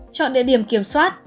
chọn địa điểm kiểm soát